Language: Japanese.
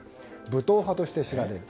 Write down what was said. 武闘派として知られる。